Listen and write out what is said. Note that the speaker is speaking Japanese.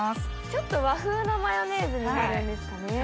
ちょっと和風のマヨネーズになるんですかね？